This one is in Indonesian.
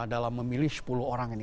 dalam memilih sepuluh orang ini